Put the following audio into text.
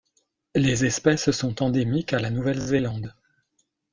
Les espèces sont endémiques à la Nouvelle-Zélande.